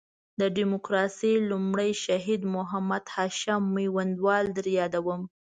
د ډیموکراسۍ لومړی شهید محمد هاشم میوندوال در یادوم.